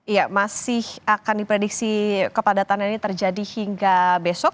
iya masih akan diprediksi kepadatan ini terjadi hingga besok